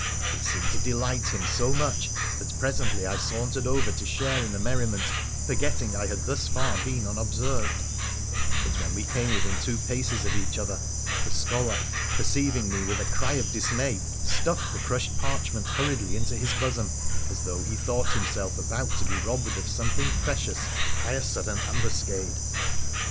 It seemed to delight him so much that presently I sauntered over to share in the merriment, for getting I had thus far been unobserved ; but when we came within two paces of each other the scholar, perceiving me, with a cry of dismay stuffed the crushed parchment hurriedly into his bosom as though he thought himself about to be robbed of something precious by a sudden ambuscade.